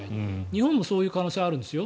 日本もそういう可能性はあるんですよ。